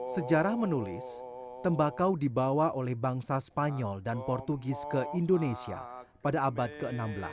sejarah menulis tembakau dibawa oleh bangsa spanyol dan portugis ke indonesia pada abad ke enam belas